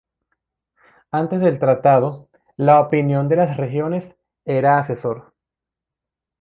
Antes del tratado, la opinión de las regiones era asesor.